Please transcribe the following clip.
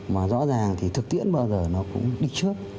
mà rõ ràng thì thực tiễn bao giờ nó cũng đi trước